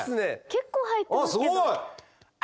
結構入ってますけど。